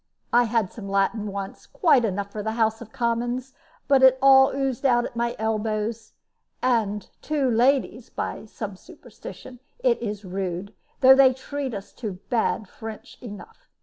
I had some Latin once, quite enough for the House of Commons, but it all oozed out at my elbows; and to ladies (by some superstition) it is rude though they treat us to bad French enough.